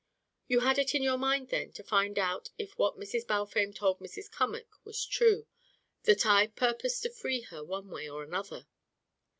"You had it in your mind, then, to find out if what Mrs. Balfame told Mrs. Cummack was true that I purposed to free her one way or another?"